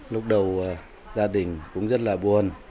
lúc đầu gia đình cũng rất là buồn